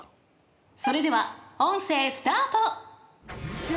［それでは音声スタート］